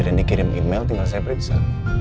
reni kirim email tinggal saya periksa